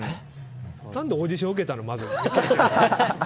何でオーディション受けたの、まず。